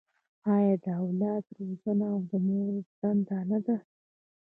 آیا د اولاد روزنه د مور دنده نه ده؟